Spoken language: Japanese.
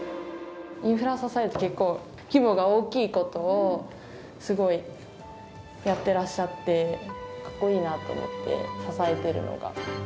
インフラを支えるって、結構規模が大きいことをすごいやってらっしゃって、かっこいいなと思って、支えているのが。